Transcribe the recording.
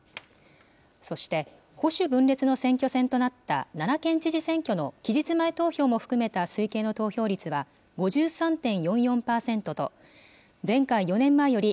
そして、保守分裂の選挙戦となった奈良県知事選挙の期日前投票も含めた推計の投票率は、５３．４４％と、前回・４年前より